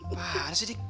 apaan sih dik